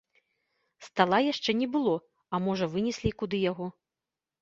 Стала яшчэ не было, а можа, вынеслі куды яго.